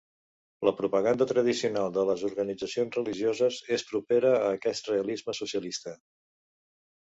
La propaganda tradicional de les organitzacions religioses és propera a aquest realisme-socialista.